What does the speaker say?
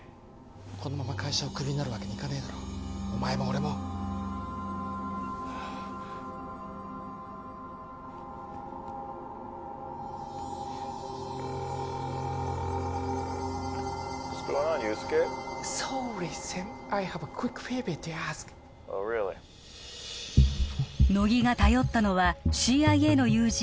このまま会社をクビになるわけにいかねえだろお前も俺も乃木が頼ったのはＣＩＡの友人